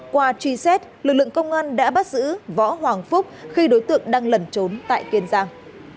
qua truy xét lực lượng công an đã bắt giữ võ hoàng phúc khi đối tượng đang lẩn trốn tại kiên giang